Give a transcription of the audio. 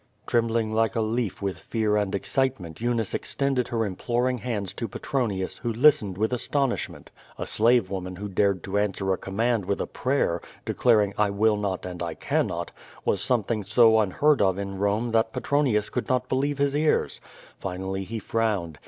Trembling like a leaf with fear and excitement, Eunice extended her imploring hands to Petronius, who listened with astonishment. A slave woman who dared to answer a command with a prayer, declaring "I will not and I cannot," was something so unheard of in Rome that Petronius could not believe his cars. Finally he frowned.